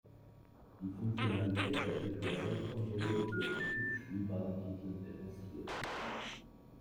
Die Funktionalität der Virtual Console wurde mit fünf spielbaren Titeln demonstriert.